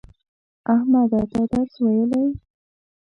احمده تا درس ویلی